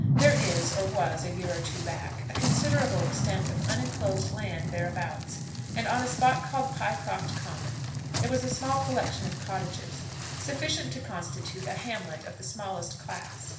There is, or was a year or two back, a considerable extent of unenclosed land thereabouts, and on a spot called Pycroft Common there was a small collection of cottages, sufficient to constitute a hamlet of the smallest class.